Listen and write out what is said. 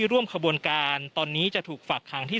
ร่วมขบวนการตอนนี้จะถูกฝากคังที่